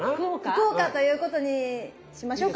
福岡ということにしましょうか？